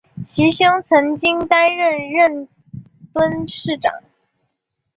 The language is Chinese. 其兄曾经担任伦敦市长。